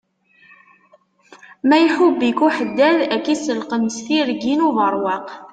Ma iḥubb-ik uḥeddad, ak iselqem s tirgin ubeṛwaq.